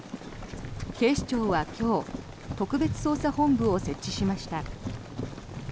警視庁は今日特別捜査本部を設置しました。